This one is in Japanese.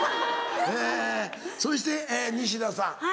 えそして西田さん。